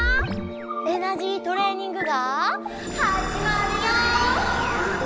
エナジートレーニングがはじまるよ！